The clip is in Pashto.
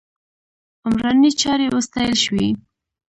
عمراني چارې وستایل شوې.